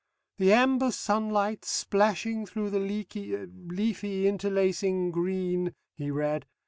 "The amber sunlight splashing through the leaky leafy interlacing green," he read.